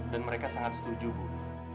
dan mereka sangat setuju bu